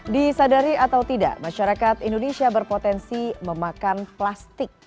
disadari atau tidak masyarakat indonesia berpotensi memakan plastik